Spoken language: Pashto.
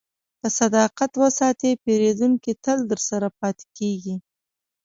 که صداقت وساتې، پیرودونکی تل درسره پاتې کېږي.